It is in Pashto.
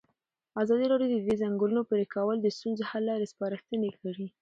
ازادي راډیو د د ځنګلونو پرېکول د ستونزو حل لارې سپارښتنې کړي.